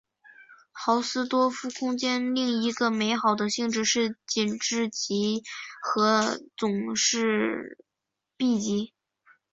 豪斯多夫空间另一个美好的性质是紧致集合总是闭集。